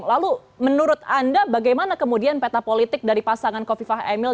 lalu menurut anda bagaimana kemudian peta politik dari pasangan kofifah emil